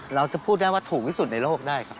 เราจะพูดได้ว่าถูกที่สุดในโลกได้ครับ